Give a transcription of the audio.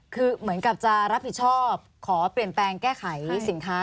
คือเหมือนกับจะรับผิดชอบขอเปลี่ยนแปลงแก้ไขสินค้า